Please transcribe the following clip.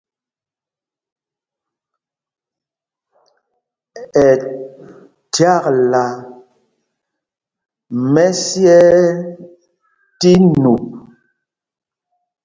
Ɛ chyakla mɛ́syɛɛ tí nup.